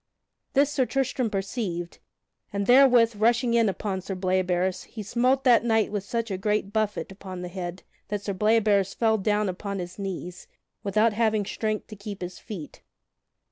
This Sir Tristram perceived, and therewith, rushing in upon Sir Bleoberis, he smote that knight such a great buffet upon the head that Sir Bleoberis fell down upon his knees, without having strength to keep his feet.